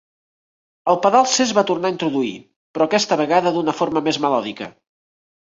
El pedal C es va tornar a introduir, però aquesta vegada d"una forma més melòdica.